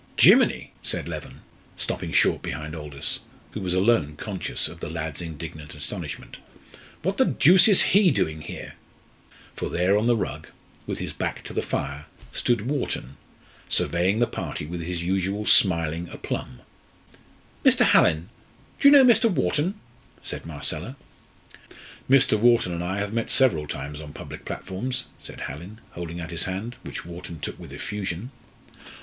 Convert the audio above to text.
"Jiminy!" said Leven, stopping short behind Aldous, who was alone conscious of the lad's indignant astonishment; "what the deuce is he doing here?" For there on the rug, with his back to the fire, stood Wharton, surveying the party with his usual smiling aplomb. "Mr. Hallin, do you know Mr. Wharton?" said Marcella. "Mr. Wharton and I have met several times on public platforms," said Hallin, holding out his hand, which Wharton took with effusion.